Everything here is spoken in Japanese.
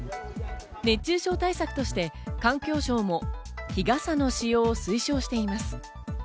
熱中症対策として環境省も日傘の使用を推奨しています。